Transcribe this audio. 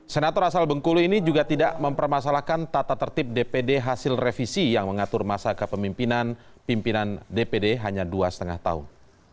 senator asal bengkulu ini juga tidak mempermasalahkan tata tertib dpd hasil revisi yang mengatur masa kepemimpinan pimpinan dpd hanya dua lima tahun